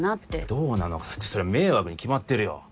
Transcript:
どうなのかなってそりゃ迷惑に決まってるよ。